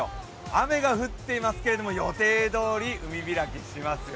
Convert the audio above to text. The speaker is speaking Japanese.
雨が降っていますけれども予定どおり海開きしますよ。